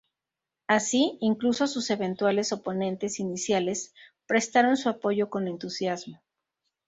Así, incluso sus eventuales oponentes iniciales prestaron su apoyo con entusiasmo.